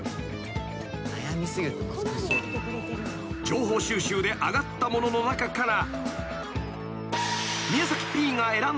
［情報収集で挙がったものの中から］